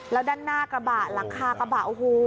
แล้วด้านหน้ากระบะหลังคากระบะโอ้โห